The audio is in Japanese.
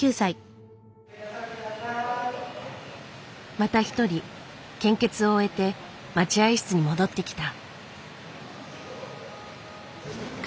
また一人献血を終えて待合室に戻ってきた。